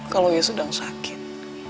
kalau ia sedang sakit